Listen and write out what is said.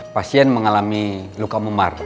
pasien mengalami luka memar